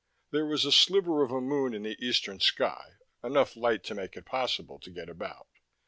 There was a sliver of a moon in the eastern sky, enough light to make it possible to get about.